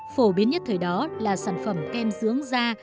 phổ biến nhất thời đó là sản phẩm kem dưỡng da